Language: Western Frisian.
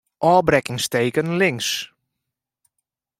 Ofbrekkingsteken links.